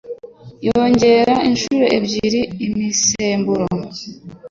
yongera inshuro ebyiri imisemburo